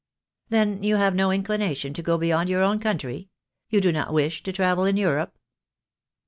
" Then you have no inclination to go beyond your own country? — ^you do not wish to travel in Europe?